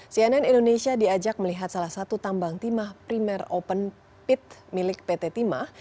cnn indonesia diajak melihat salah satu tambang timah primer open pit milik pt timah